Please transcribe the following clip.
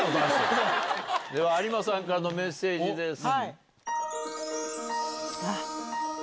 では有馬さんからのメッセージです。